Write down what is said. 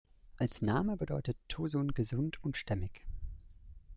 Als Name bedeutet Tosun „gesund“ und „stämmig“.